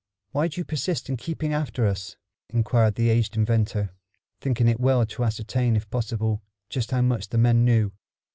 "Why do you persist in keeping after us?" inquired the aged inventor, thinking it well to ascertain, if possible, just how much the men knew.